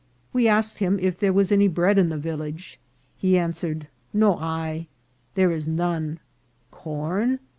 We asked him if there was any bread in the village ; he answered, " no hay," " there is none ;" corn